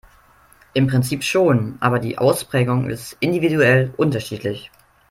Im Prinzip schon, aber die Ausprägung ist individuell unterschiedlich.